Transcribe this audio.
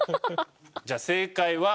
じゃあ正解は。